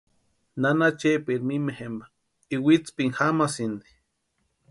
Nana Chepaeri mimi jempa iwitsïpini jamasïnti.